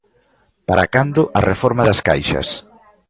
¿Para cando a reforma das Caixas?